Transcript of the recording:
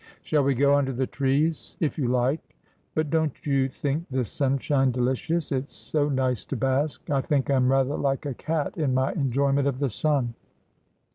' Shall we go under the trees ?'' If you like. But don't you think this sunshine delicious ? It is so nice to bask. I think I am rather like a cat in my enjoyment of the sun.'